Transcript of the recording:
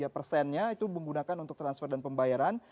tiga persennya itu menggunakan untuk transfer dan pembayaran